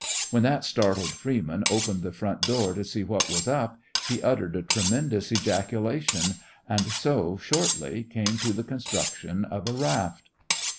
When that startled freeman opened the front door to see what was up, he uttered a tremendous ejaculation; and so, shortly, came to the construction of a raft.